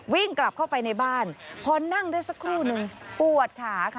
วิ่งกลับเข้าไปในบ้านพอนั่งได้สักครู่นึงปวดขาค่ะ